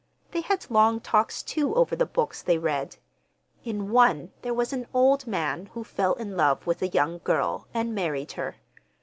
They had long talks, too, over the books they read. In one there was an old man who fell in love with a young girl, and married her.